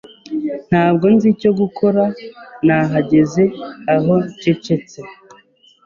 Ntabwo nzi icyo gukora, nahagaze aho ncecetse.